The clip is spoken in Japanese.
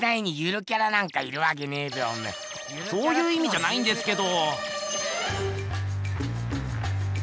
そういういみじゃないんですけど。